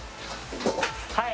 はい